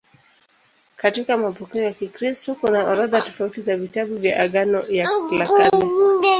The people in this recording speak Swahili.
Katika mapokeo ya Kikristo kuna orodha tofauti za vitabu vya Agano la Kale.